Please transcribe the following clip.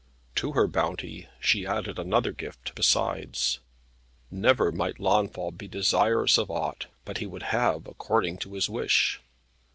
To her bounty she added another gift besides. Never might Launfal be desirous of aught, but he would have according to his wish.